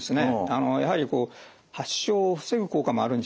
あのやはりこう発症を防ぐ効果もあるんじゃないか